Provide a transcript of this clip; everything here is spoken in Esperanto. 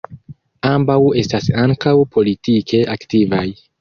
Ambaŭ estas ankaŭ politike aktivaj.